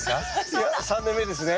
いや３年目ですね。